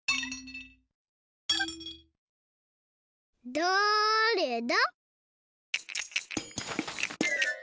だれだ？